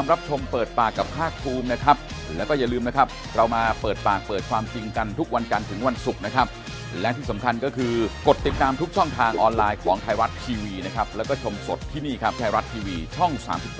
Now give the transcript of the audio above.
มันก็เลยมีเรื่องเหล่านี้เกิดขึ้น